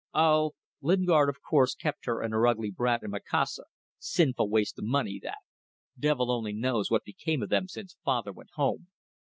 "Oh! Lingard, of course, kept her and her ugly brat in Macassar. Sinful waste of money that! Devil only knows what became of them since father went home.